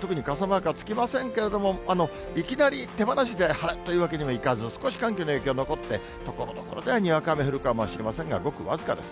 特に傘マークはつきませんけれども、いきなり手放しで晴れというわけにはいかず、少し寒気の影響残って、ところどころではにわか雨降るかもしれませんが、ごく僅かです。